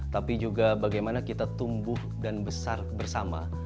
tapi juga bagaimana kita tumbuh dan besar bersama